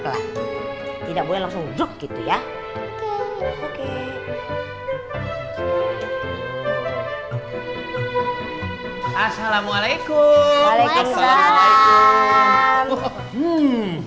pelan pelan tidak boleh langsung jok gitu ya oke oke assalamualaikum waalaikumsalam